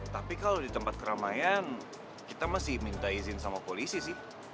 tapi kalau di tempat keramaian kita masih minta izin sama polisi sih